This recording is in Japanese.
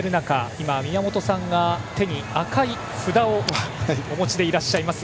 今、宮本さんが手に赤い札をお持ちでいらっしゃいます。